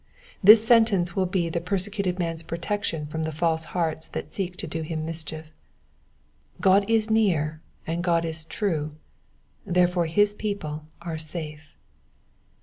This sentence will be the perse cuted man's protection from the false hearts that seek to do him mischief: God is near and God is true, therefore his people are safe.